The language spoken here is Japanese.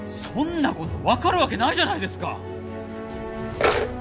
そんな事分かる訳ないじゃないですか！